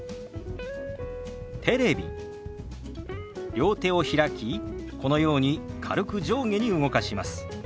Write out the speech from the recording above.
両手を開きこのように軽く上下に動かします。